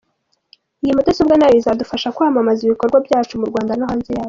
Iyi mudasobwa nayo izadufasha kwamamaza ibikorwa byacu mu Rwanda no hanze yarwo.